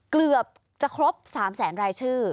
เกือบจะครบ๓แสนรายชื่อ